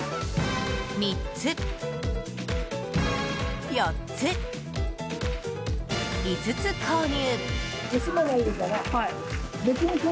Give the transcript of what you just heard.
３つ、４つ、５つ、購入。